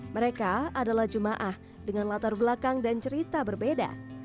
mereka adalah jemaah dengan latar belakang dan cerita berbeda